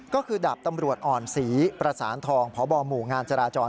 ก็คือดาบตำรวจอ่อนศรีประสานทองพบหมู่งานจราจร